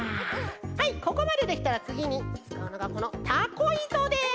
はいここまでできたらつぎにつかうのがこのたこいとです！